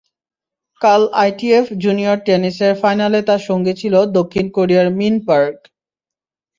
কাল ITF junior টেনিসের ফাইনালে তাঁর সঙ্গী ছিল দক্ষিণ কোরিয়ার মিন পার্ক।